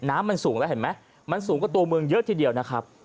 น้ำมันสูงแล้วเห็นไหมมันสูงกว่าตัวเมืองเยอะทีเดียวนะครับ